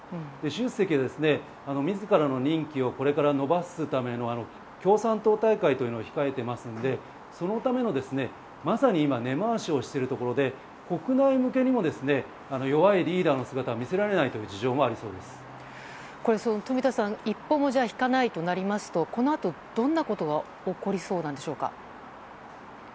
習主席は自らの任期をこれから延ばすための共産党大会というのを控えていますのでそのための、まさに今根回しをしているところで国内向けにも弱いリーダーの姿を見せられないという富田さん一歩も引かないとなりますとこのあと、どんなことが起こりそうなんでしょうか。